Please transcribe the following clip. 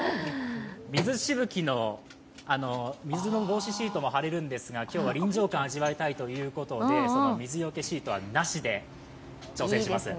水しぶきの、水の防止シートも貼れるんですが、今日は臨場感を味わいたいということでその水よけシートはなしで挑戦します。